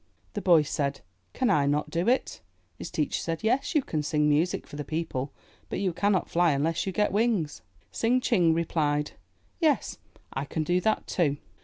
The boy said, "Can I not do it?" His teacher said, "Yes, you can sing music for the people, but you can not fly unless you get wings." Tsing Ching replied, "Yes, I can do that, too."